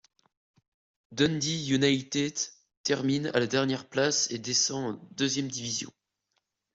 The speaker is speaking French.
Dundee United termine à la dernière place et descend en deuxième division.